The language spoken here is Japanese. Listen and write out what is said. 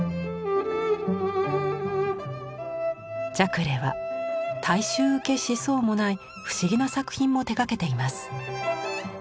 ジャクレーは大衆受けしそうもない不思議な作品も手がけています。